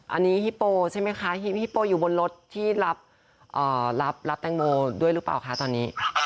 อันนี้ฮิปโปใช่ไหมคะฮิปโปอยู่บนรถที่รับแตงโมด้วยหรือเปล่าคะตอนนี้